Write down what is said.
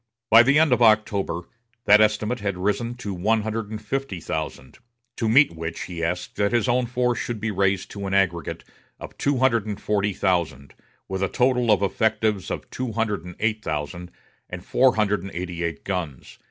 By the end of October that estimate had risen to one hundred and fifty thousand, to meet which he asked that his own force should be raised to an aggregate of two hundred and forty thousand, with a total of effectives of two hundred and eight thousand, and four hundred and eighty eight guns.